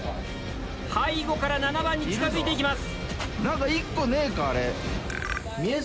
背後から７番に近づいて行きます。